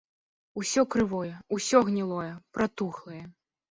Усё крывое, усё гнілое, пратухлае.